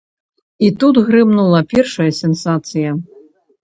І тут грымнула першая сенсацыя.